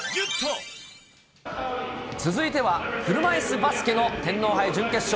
続いては車いすバスケの天皇杯準決勝。